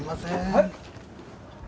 はい。